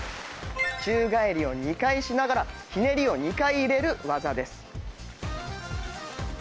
宙返りを２回しながらひねりを２回入れる技です。